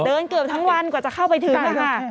เกือบทั้งวันกว่าจะเข้าไปถึงนะคะ